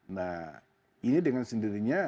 nah ini dengan sendirinya